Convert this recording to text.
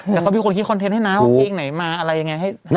แต่เขามีคนคิดคอนเทนต์ให้นะว่าเพลงไหนมาอะไรยังไง